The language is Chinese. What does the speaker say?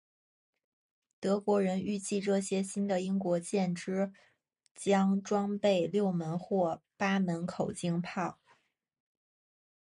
德国人预计这些新的英国舰只将装备六门或八门口径炮。